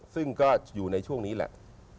ซึ่งก็อยู่ในช่วงนี้แหละ